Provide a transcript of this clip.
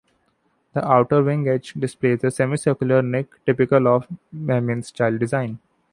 The outer wing edge displays a semi-circular nick typical of Mammen Style design.